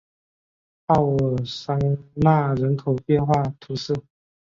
奥尔桑讷人口变化图示